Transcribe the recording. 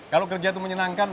kalau kerja itu menyenangkan